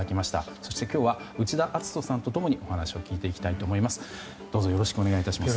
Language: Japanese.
そして今日は内田篤人さんと共にお話を聞いていきたいと思います。